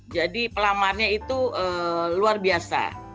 jadi pelamannya itu luar biasa